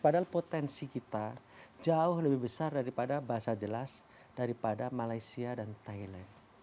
padahal potensi kita jauh lebih besar daripada bahasa jelas daripada malaysia dan thailand